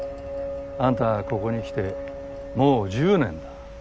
あんたがここに来てもう１０年だ。